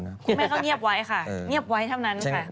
คุณแม่ก็เงียบไว้ค่ะเงียบไว้เท่านั้นค่ะ